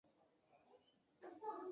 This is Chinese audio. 各朝间镇墓兽的大小差异也不大。